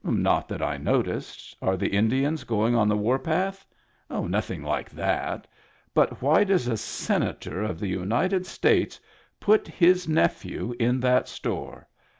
Not that I noticed. Are the Indians going on the war path ?"" Nothing like that. But why does a senator of the United States put his nephew in that store